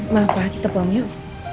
bapak kita pulang yuk